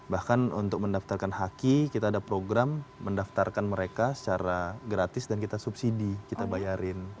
bahkan untuk mendaftarkan haki kita ada program mendaftarkan mereka secara gratis dan kita subsidi kita bayarin